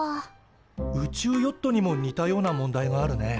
宇宙ヨットにも似たような問題があるね。